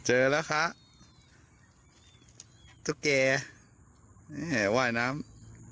เจอแล้วครับตุ๊กเกแห่ว่ายน้ำ